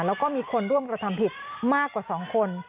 แล้วก็มีคนร่วมกระทำผิดมากกว่า๒คน